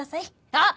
あっ！